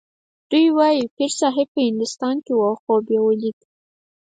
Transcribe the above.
دوی وايي پیرصاحب په هندوستان کې و او خوب یې ولید.